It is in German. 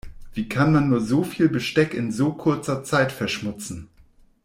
Wie kann man nur so viel Besteck in so kurzer Zeit verschmutzen?